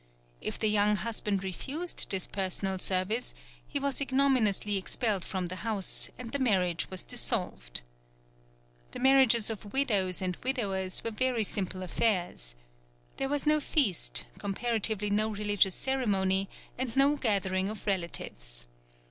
If the young husband refused this personal service, he was ignominiously expelled from the house and the marriage was dissolved. The marriages of widows and widowers were very simple affairs. There was no feast, comparatively no religious ceremony, and no gathering of relatives.